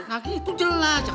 nah gitu jelas